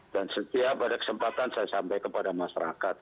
dan setiap ada kesempatan saya sampai kepada masyarakat